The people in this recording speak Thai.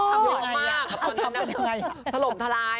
ทำรวมมากทำรวมทลาย